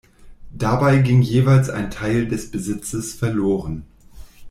Dabei ging jeweils ein Teil des Besitzes verloren.